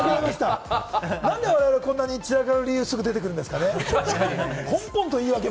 何で我々、こんなに散らかる理由、すぐ出てくるんですかね？